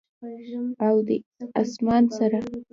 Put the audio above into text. او د اسمان سره،